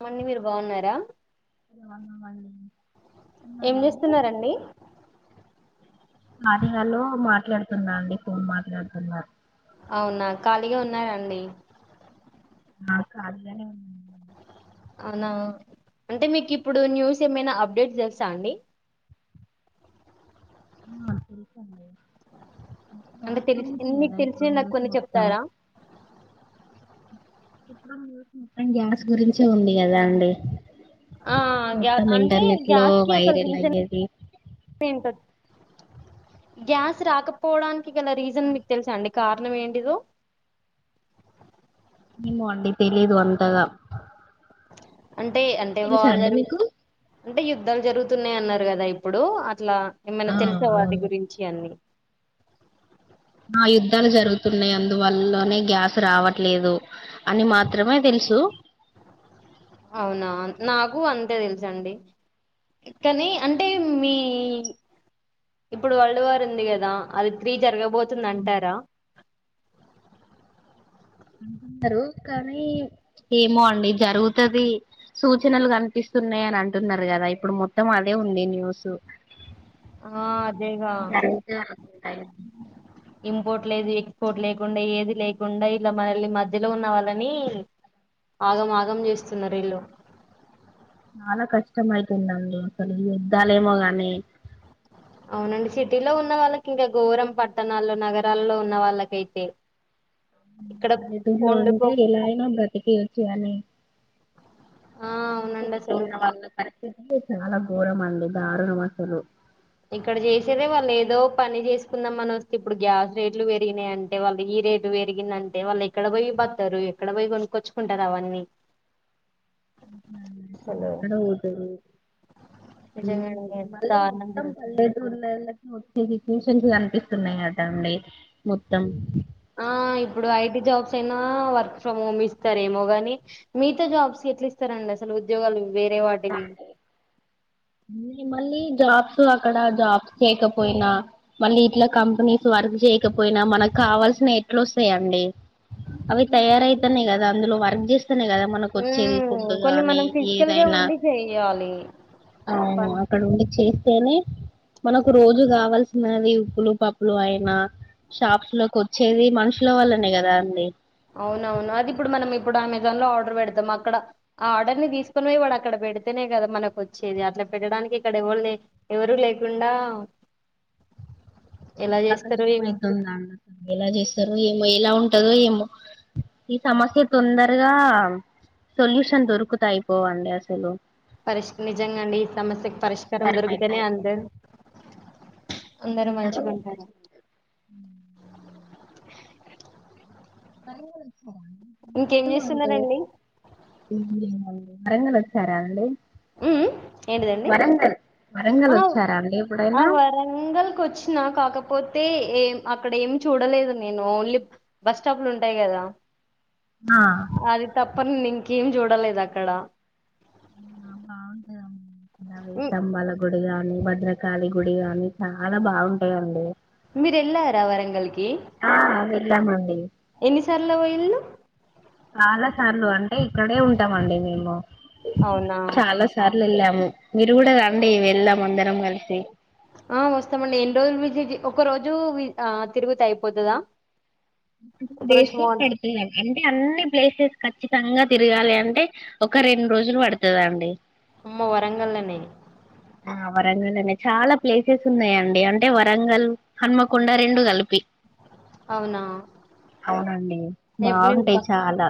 అమండి మీరు బాగున్నారా న్నా మళ్డి ఏం చేస్తున్నారండి ఆటగాలో మాట్లాడుతున్నా అండి ఫోన్ మాట్లాడుతున్నారు అవునా ఖాళీగా ఉన్నారండి ఆ కాదు అవునా అంటే మీకు ఇప్పుడు న్యూస్ ఏమైనా అప్డేట్ తెలుసా అండి నా తెలుకడి అంటే తెలిసి మీకు తెలిసిన నాకు న్యూస్ కొన్ని మొత్తం చెప్తారా ఇప్పుడు చూ మొత్తం గ్యాస్ గురించే ఉంది కదా అండి ఆ గ్యా మొత్తం అంటే ఇంటర్నెట్ లో గ్యాస్ కి అసలు వైరల్ రీజన్ అయ్యేది ఏంటది గ్యాస్ రాకపోడాన్ గల రీజన్ మీకు తెలుస అండి కారణ వేడిదు ఏమో అండి తెలీదు అంతగా అంటే అంటే తెలుసా అండి వాళ్ళరు మీకు అంటే యుద్ధాలు జరుగుతున్నాయి అన్నారు కదా ఇప్పుడు అట్లా ఏమన్నా ఆ తెలిసే వాటి అవును గురించి అన్ని ఆ యుద్ధాలు జరుగుతున్నాయి అందువల్లనే గ్యాస్ రావట్లేదు అని మాత్రమే తెలుసు అవునా నాకు అంతే తెలుసండి కానీ అం న్యూస్ ఇప్పుడు వరల్డ్ వార్ ఉంది కదా అది త్రీ జరగబోతుంది అవును అంటారా అంటున్నరు కానీ ఏమో అండి జరుగుతది సూచనలు కనిపిస్తున్నాయి అని అంటున్నారు కదా ఇప్పుడు మొత్తం అదే ఉంది న్యూసు ఆ అదేగా జరుగుతదా ఇంపోర్ట్ లేదు ఎక్స్పోర్ట్ లేకుండా ఏది లేకుండా ఇలా మనల్ని మధ్యలో ఉన్న వాళ్ళని ఆగం ఆగం చేస్తున్నారు ఈళ్ళు చాలా కష్టం అయితుందండి అసలు యుద్దాలేమో గానీ అవునండి సిటీలో ఉన్న వాళ్ళకి ఇంకా ఘోరం పట్టణాల్లో నగరాల్లో ఉన్న వాళ్ళకైతే ఇక్కడ పల్లెటూర్లో వండుకో అంటే ఎలా అయినా బ్రతికేయోచ్చు అని ఆ అవునండి అసలు టే చాలా ఘోరం అంది దారుణమసలు ఇక్కడ చేసేదే వాళ్ళు ఏదో పని చేసుకుందాంమని వస్తే ఇప్పుడు గ్యాస్ రేట్లు పెరిగినాయి అంటే వాళ్ళు ఈ రేటు పెరిగిందంటే వాళ్ళు ఎక్కడ పోయి పడతారు ఎక్కడ పోయి కొనుక్కొచ్చుకుంటారు అవన్నీ అసలు క్కడ ఓదురు నిజంగానే ఎంత మళ్ళ దారుణం మొత్తం జరుగుతుంది పల్టూర్లో వచ్చే సిచ్యువేషన్స్ కనిపిస్తున్నాయి కద అండి మొత్తం ఆ ఇప్పుడు ఐటి జాబ్స్ అయినా వర్క్ ఫ్రమ్ హోమ్ ఇస్తారేమో గానీ మీతో జాబ్స్ ఎట్లా ఇస్తారండి అసలు ఉోగాలు వేరే వార్టివి మళ్ళీ జాబ్స్ అక్కడ జాబ్స్ చేయకపోయినా మళ్ళీ ఇట్లా కంపెనీస్ వర్క్ చేయకపోయినా మనకు కావాల్సినవి ఎట్లు వస్తాయండి అవి తయారయితానేయి కదా అందులో వర్క్ చేస్త ఉ కొన్ని మనం ఫిజికల్గా ఏదైనా ఉండి చెయ్యాలి అవును పన్ అక్కడ ఉండి చే అనే మనకు రోజు కావాల్సినది ఉప్పులు పప్పులు అయినా షాప్స్ లోకి వచ్చేది మనుషుల వల్లనే కదా అండి అవునవును అది ఇప్పుడు మనం ఇప్పుడు అమెజాన్ లో ఆర్డర్ పెడతాం అక్కడ ఆర్డర్ ని తీసుకొని పో ఇవాడు అక్కడ పెడితేనే కదా మనకు వచ్చేది అట్లా పెట్టడానికి ఇక్కడ ఎవరు ఎవరుూ లేకుండా ఎలా చాలా చేస్తారు కష్టం ఏమో అతుంది నా ఎలా చేస్తారు ఏమో ఎలా ఉంట ఏమో ఈ సమస్య తొందరగా సొల్యూషన్ దొరుకుతా అయిపోవండి అసలు పరిష్ నిజంగా అండి ఈ సమస్యకి పరిష్కారం దొరికితేనే అంద అందర అ ఇంకేం చేస్తున్నారంండి ఏం లేదండి వరంగల్ వచ్చారా అండి ఊ ఊ ఏంటదండి వరంగల్ వరంగల్ ఆ వచ్చారా అండి ఆ ఎప్పుడైనా వరంగల్ కొచ్చినా కాకపోతే ఏం అక్కడ ఏం చూడలేదు నేను ఓన్లీ బస్ స్టాప్లు ఉంటాయి కదా ఆ ప్పన్ ఇంకేం చూడలేదు అక్కడ ఔనా బావుంటది [inaudible] నాయి హ్మ్. తంబల గుడిగా ఊ భద్రకాళి గుడి గాని చాలా బావుంటాయండి మీరెళ్ళారా వరంగల్ కి ఎళ్ళామండి ఎన్నిసార్లు వొయిల్లు చాలా సార్లు అంటే ఇక్కడే ఉంటామండి మేము అవునా! చాలా సార్లు ఎళ్ళాం ఊ మీరు కూడా రండి వెళ్ళాం అందరం కలిసి ఆ వస్తామండి ఎన్ని రోజులు విజిట్ ఒక్క రోజు వి ఆ తిరుగుత అయిపోతదా ఒకరోజు బేసి మార్న్ పెడుతేయల్ అంటే అన్ని ప్లేసెస్ ఖచ్చి నిష్టంగా తిరగాలి అంటే ఒక రెండు రోజులు పడతదండి అమ్మో వరంగల్ లోనే ఆ వరంగల్ లోనే చాలా ప్లేసెస్ ఉన్నాయండి అంటే వరంగల్ హన్మకొండ రెండు కలిపి అవునా! అవునండి ఎప్పుడు నేను ప బావుంటాయి చాలా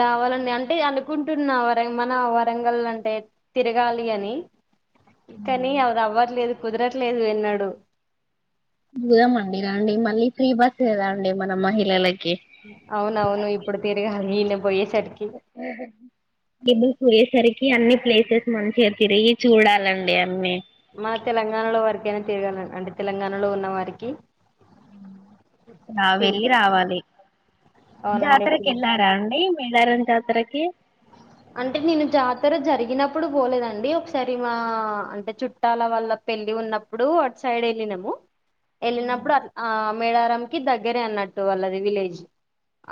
రావాలండి అంటే అనుకుంటున్నా వరైం మన వరంగల్ అంటే తిరగాలి అని కానీ అది అవ్వట్లేదు కుదరట్లేదు ఎన్నడు పొదమండి రండి మళ్ళీ ఫ్రీ బస్సే గా అండి మన మహిళలకి అవునవును ఇప్పుడు తిరగాలి ఈయన పోయేసరికి ఈ అన్ని ప్లేసెస్ మంచిగా తిరిగి చూడాలండి అన్నీ మా తెలంగాణలో వరికైనా తిరగలండి అంటే తెలంగాణలో ఉన్న వారికి రా తిరి- వెళ్లి రావాలి అవునండి జాతరకి ఇప్పుడు ఎల్లారా అండి మేడారం జాతరకి అంటే నేను జాతర జరిగినప్పుడు పోలేదండి ఒకసారి మా అంటే చుట్టాల వల్ల పెళ్లి ఉన్నప్పుడు అటు సైడ్ వెళ్ళినము వెళ్ళినప్పుడు ఆ మేడారం కి దగ్గరే అన్నట్టు వాళ్ళది విలేజ్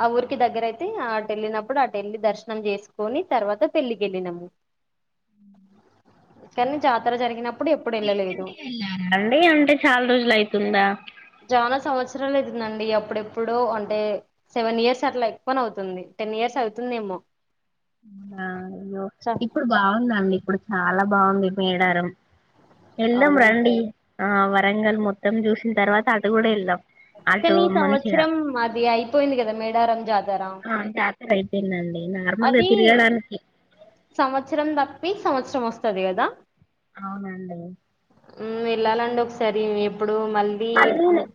ఆ ఊర్కి దగ్గరైతే ఆ వెళ్ళినప్పుడు అటు వెళ్లి దర్శనం చేసు కోని తర్వాత పెళ్లికి వెళ్ళినాము కానీ జాతర జరిగినప్పుడు ఎప్పుడు రీసెంట్ వెళ్ళలేదు గా ఎల్లరా అండి అంటే చాలా రోజులు అయితుందా జానా సంవత్సరాలు అయితుందండి అప్పుడెప్పుడో అంటే సెవెన్ ఇయర్స్ అట్లా ఎక్కువనే అవుతుంది టెన్ ఇయర్స్ అవుతుందేమో అవునా య్యో చ ఇప్పుడు బాగుంద అండి ఇప్పుడు చాలా బాగుంది మేడారం ఎల్దం అవునండి రండి ఆ వరంగల్ మొత్తం చూసిన తర్వాత అటు కూడా వెళ్దాం అటు కానీ ఈ మంచిగా సంవత్సరం అది అయిపోయింది కదా మేడారం జాతర ఆ జాత్ తర అయిపోయిందన్ అది సంవత్సరం తప్పి సంవత్సరం వస్తది కదా అవునండి మ్మ్ వెళ్ళాలండి ఒకసారి ఎప్ ఇప్పుడు మళ్ళీ అన్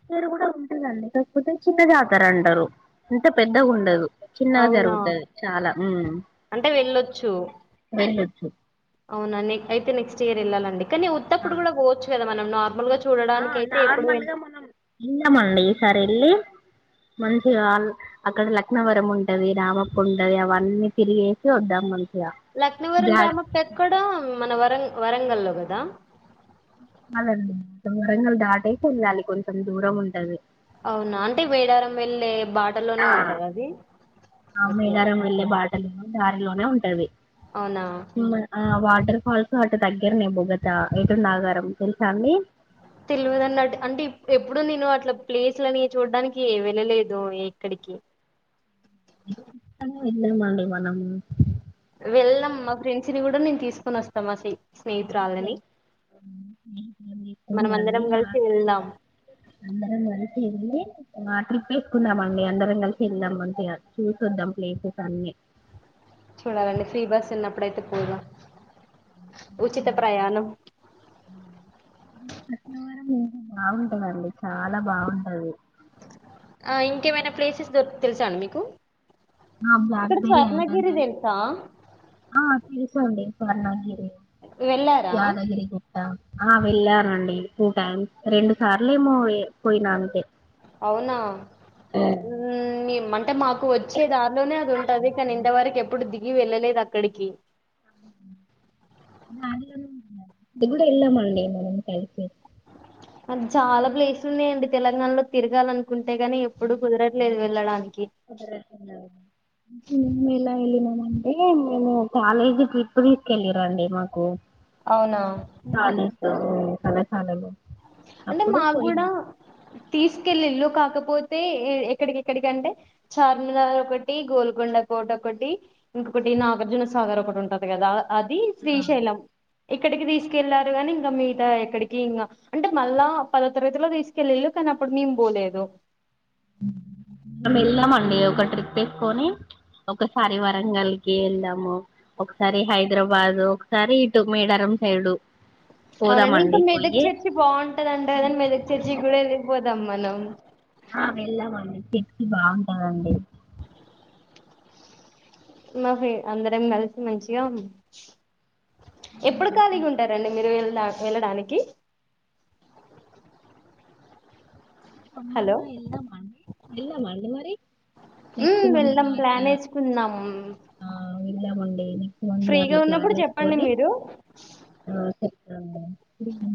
ఉంటది అండి కాకపోతే చిన్న జాతర అంటారు అంటే పెద్దగుండదు చిన్నగా అవునా జరుగుతది చాలా ఉమ్ అంటే వెళ్ళొచ్చు వెళ్ళొచ్చు అవునా నీ అయితే నెక్స్ట్ ఇయర్ ఎళ్ళాలండి కానీ ఉత్తప్పుడు కూడా పోవచ్చు కదా మనం నార్మల్గా చు ఆ నార్మల్గా మనం వెళ్దామండి ఈసారి వెళ్ళి మంచిగా అల్ అక్కడ లక్నవరం ఉంటది రామప్ప ఉంటది అవన్నీ తిరిగేసి వద్దాం మన్ లక్నవరం రామప్పెక్కడ మన వరం వరంగల్ లో గదా కాదండి వరంగల్ దాటేసి ఎళ్ళాలి కొంచెం దూరం ఉంటాది అవునా అంటే వేడారం వెళ్ళే బాటలోనే ఉంటాదా ఆ అది ఓకే టల్లో దారిలోనే ఉంటాది అవునా ఉమ్ ఆ వాటర్ హల్స్ హట్టు దగ్గరనే బొగత ఎటు నాగారం తెలుసా అండి తెలువదండి అటు అంటే ఎప్పుడు నేను అట్లా ప్లేస్లని చూడ్డానికి వెళ్ళలేదు ఎక్కడికీ [inaudible] వెళ్దామండి మనం వెళ్ళ్దం మా ఫ్రెండ్స్ ని కూడా నేను తీసుకొని వస్తాం మా సి [inaudible] మనం అందరం మా కలిసి వెళ్దాం అందరం కలసి ఎళ్ళి మా ట్రిప్ లెక్కుందాం అండి అందరం కలిసి వెళ్దాం అంతేగా చూసొద్దాం ప్లేసెస్ అన్నీ చూడాలండి ఫ్రీ బస్ ఉన్నప్పుడయితే పోదా ఉచిత ప్రయాణం రత్నవరం [unintelligible] బాగుంటది అండి చాలా బాగుంటది ఆ ఇంకేమైనా ప్లేసెస్ దొర్ తెలుసా అండి మీకు ఆ ఇక్కడ బ్లాక్బెరీ ఏంటంట స్వర్ణగిరి అండి తెలుసా ఆ తెలుసండి స్వర్ణగిరి వెళ్ళారా యాదగిరి గుట్ట ఆ వెళ్ళనండి టూ టైమ్స్ రెండు సార్లు అవునా అంటే మాకు వచ్చే దారి లోనే అది ఉంట అదే కానీ ఇంతవరకి అది ఇది కూడా ఎళమళ మ కలిపి అది చాలా ప్లేస్ అద [inaudible] ఇలా వెళ్ళినామంటే మేము కాలేజీ ట్రిప్ తీసుకెళ్ళరండి మాకు అవునా కాలేజీ తో [unintelligible] అంటే మా కాకపోతే ఎక్కడికి ఎక్కడికంటే చార్మినార్ ఒకటి గోల్కొండ కోట ఒకటి ఇంకొకటి నాగార్జునసగర్ ఒకటి ఉంటది కదా అది శ్రీశైలం ఎ క్కడికి తీసుకెళ అంటే మళ్ళా పద తరగతిలో తీసుకెళ్ళల మనం వెళ్దాంఅండి ఒక ట్రిప్ ేసుకొని అవునండి ఇంకా మెదక్ చర్చి బాగుంటది అంట కదని మెదక్ చర్చి కూడా వెళ్ళిపోదాం మనం ఆ వెళ్ళామండి చర్చ్ బాగుంటందండి మావి అందర ఏం కలిసి మంచిగా ఎప్పుడు ఖాళీగా ఉంటారండి మీరు వె వెళ్ళడానికి సమ్మెర్ హలో లో వెళ్దాము అండి, వెళ్దామా మరి ఉమ్ వెళ్దాం ప్లాన్ వేసుకుందాం [unintelligible] ఫ్రీగా అట్లా ప్లాన్ ఉన్నప్పుడు చెప్పండి మీరు అ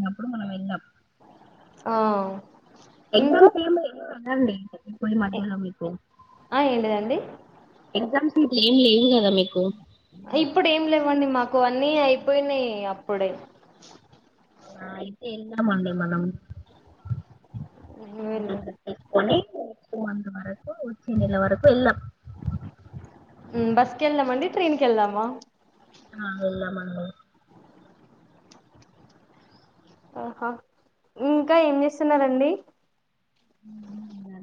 అప్పుడు మనం వెళ్ళం అహ్ ఎగ్జామ్స్ ఏమి లేవా మ [unintelligible] పోయి ఏ- మధ్యలో ఆ ఏంటిదండి ఏం లేదు కదా మీకు ఇప్పుడు ఏం లేవండి మాకు అన్నీ అయిపోయినాయి అప్పుడే [inaudible] ఐ వెళ్ళు- కొని [inaudible] కుమంది వరకు ఉచ్చి నల వరకు ఎలా [inaudible] ఉమ్ బస్ కీ అహ్ వెళ్దాం మండి ఆహా ఇంకా ఏం చేస్తున్నారండి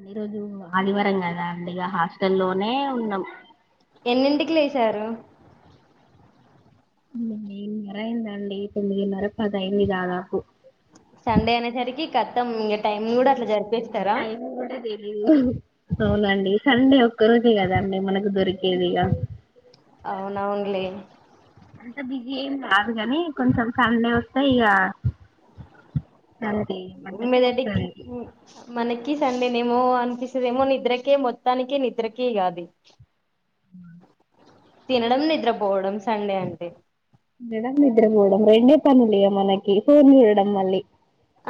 ఈరోజు ఆదివారం కదా అండి ఇగ హాస్టల్లోనే ఉన్నాం ఎన్నింటికి లేసారు ఎనిమిదినర్ర అయిందండి తొమ్మిదినర్రా పది అయింది దాదాపు సండే అనేసరికి కత్తం ఇంక టైమ్ కూడా అట్లా జరింది టైమ్ కూడా తెలీదు అవునండి సండే ఒక్క రోజే కదండి మనకు దొరికేది ఇక అవునవునులే అంత బిజీ ఏం కాదు కాని కొంచెం సండే వస్తే ఇక అంతే బద్దకం మెదటికి వస్తది మనకి సండే నేమో అనిపిస్తుదిమో నిద్రకే మొత్తానికే నిద్రకే ఆది ఆ తినడం నిద్రపోవడం సండే అంటే తినడం నిద్రపోవడం రెండే పనులు మనకి ఫోన్ చూడడం మళ్ళీ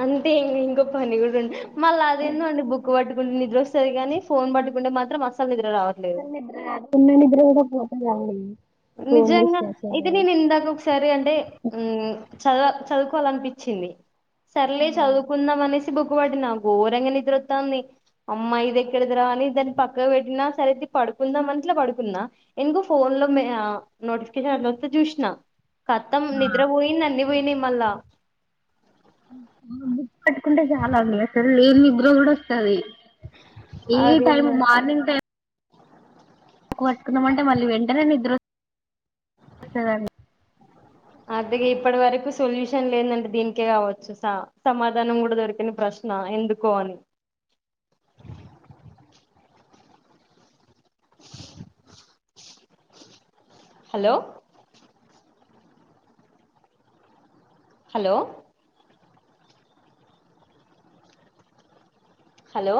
అంతే ఇంకో పని కూడా ఉండ మళ్ళ అదేందోండి బుక్ పట్టు కున్నప్పుడు నిద్ర వస్తుంది కాని ఫోన్ పట్టుకుంటే మాత్రం అస అ అ ఉన్న నిద్ర కూడా పోతాది ఎ నిజంగా ఇది నేను ఇందాక ఒక సరీ అంటే చదువ చదువుకోవాలనిపించింది సర్లే చదువుకుందాం అనేసి బుక్ పడినా ఘోరంగా నిద్రోత్తండి అమ్మా ఇది ఎక్కడదురా అని దాన్ని పక్క పెట్టినా సరే పడుకుందాం అట్లా పడుకుంద ఇంకా ఫోన్ లో నోటిఫికేషన్ అట్లా వస్తే చూసిన కత్తం నిద్ర పోయింది అన్నీ పోయినాయి మల్లా బుక్ పట్టుకుంటే చాలా నిద్ర వస్తది అసలు లేని నిద్ర కూడా వస్తుంది ఏ టైం అదేందో మార్నింగ్ టై ముక్క కట్టుకుందామంటే మళ్ళీ వెంటనే నిద్ర వస్తుందండి అలాగే ఇప్పటి వరకు సొల్యూషన్ లేదంటే దీనికే కావచ్చు సమాధానం కూడా దొరికని ప్రశ్న ఎందుకో అని హలో హలో హలో